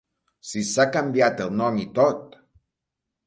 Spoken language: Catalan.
Si s'ha canviat el nom i tot!